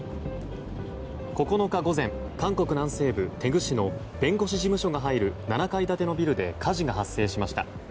９日、午前韓国南西部テグ市の弁護士事務所が入る７階建てのビルで火事が発生しました。